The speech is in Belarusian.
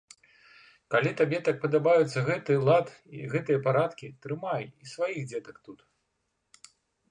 Калі табе так падабаюцца гэты лад і гэтыя парадкі, трымай і сваіх дзетак тут.